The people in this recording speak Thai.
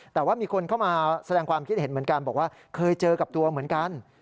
แต่ว่ามีคนเข้ามาแสดงความคิดเห็นเหมือนกันบอกว่าเคยเจอกับตัวเหมือนกัน